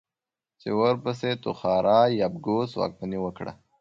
چې ورپسې توخارا يبگوس واکمني وکړه.